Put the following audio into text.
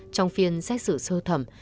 trong phiên xét xử sơ thẩm